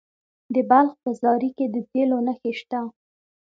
د بلخ په زاري کې د تیلو نښې شته.